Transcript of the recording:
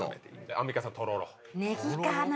アンミカさんとろろ。